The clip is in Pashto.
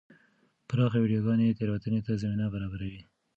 پراخه ویډیوګانې تېروتنې ته زمینه برابروي.